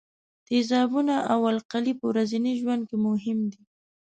تیزابونه او القلي په ورځني ژوند کې مهم دي.